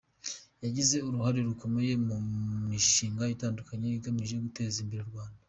Yagize uruhare rukomeye mu mishinga itandukanye igamije guteza imbere u Rwanda.